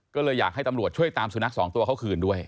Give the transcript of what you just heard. ก็เลยอยากให้ตำรวจช่วยตามสุนัขสองตัวเขาคืนด้วย